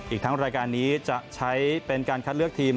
อีกทั้งรายการนี้จะใช้เป็นการคัดเลือกทีม